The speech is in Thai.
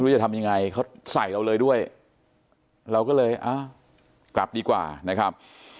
จะทำยังไงเขาใส่เราเลยด้วยเราก็เลยอ้าวกลับดีกว่านะครับ